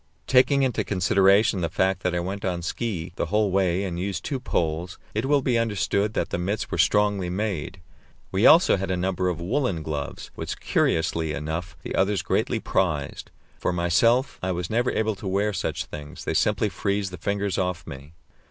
Taking into consideration the fact that I went on ski the whole way and used two poles, it will be understood that the mits were strongly made. We also had a number of woollen gloves, which, curiously enough, the others greatly prized. For myself, I was never able to wear such things; they simply freeze the fingers off me.